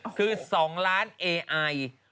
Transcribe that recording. ปล่อยให้เบลล่าว่าง